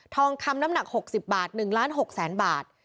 ทองคำน้ำหนัก๖๐บาท๑ล้าน๖แสนบาท